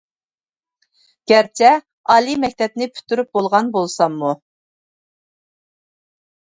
گەرچە ئالىي مەكتەپنى پۈتتۈرۈپ بولغان بولساممۇ!